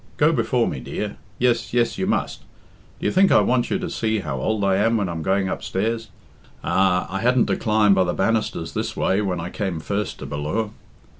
Go before me, dear. Yes, yes, you must. Do you think I want you to see how old I am when I'm going upstairs? Ah! I hadn't to climb by the banisters this way when I came first to Bal lure."